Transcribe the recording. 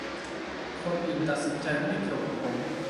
คนอื่นตัดสินใจ ไม่เกี่ยวกับผม